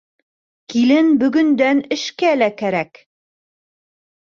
Килен бөгөндән эшкә лә кәрәк.